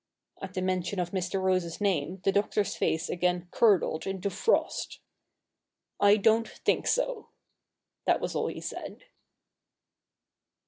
At the mention of Mr. Rose's name the Doctors face again curdled into frost. ' I don't think so.' That was all he said.